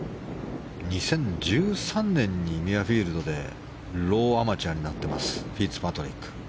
２０１３年にミュアフィールドでローアマチュアになっていますフィッツパトリック。